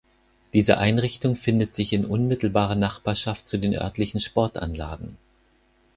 Diese Einrichtung findet sich in unmittelbarer Nachbarschaft zu den örtlichen Sportanlagen.